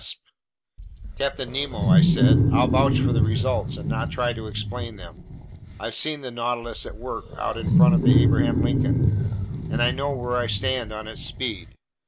Did its inventor meet up with Captain Nemo? "Captain Nemo," I said, "I'll vouch for the results and not try to explain them. I've seen the Nautilus at work out in front of the Abraham Lincoln, and I know where I stand on its speed.